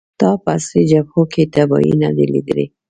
تا په اصلي جبهو کې تباهۍ نه دي لیدلې